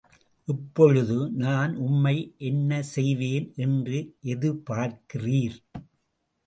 இப்பொழுது நான் உம்மை என்ன செய்வேன் என்று எதிர்பார்க்கிறீர்?